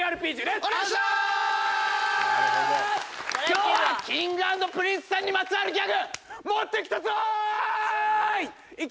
今日はＫｉｎｇ＆Ｐｒｉｎｃｅさんにまつわるギャグ持ってきたぞーい！